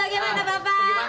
ini ditunggu tunggu deh